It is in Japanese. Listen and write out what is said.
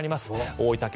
大分県